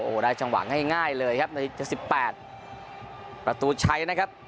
โอ้ได้จังหวะง่ายเลยครับนาทีสิบแปดประตูชัยนะครับ